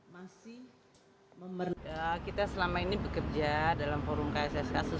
masih perlu banyak hal yang diperlukan